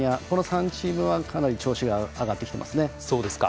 この３チームはかなり調子が上がってますね。